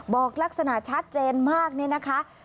บอกลักษณะชัดเจนมากนี่นะคะ